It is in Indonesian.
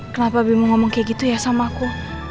kenapa bimo ngomong kayak gitu ya sama aku